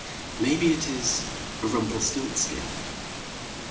"May be it is Rum pel stilts kin."